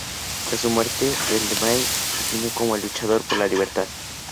Tras su muerte, el Dalái Lama lo definió como "El luchador por la libertad"